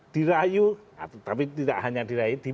dirayu tapi tidak hanya dirayu